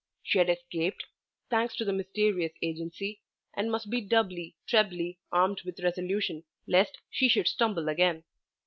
She had escaped, thanks to the mysterious agency, and must be doubly, trebly, armed with resolution lest she should stumble again.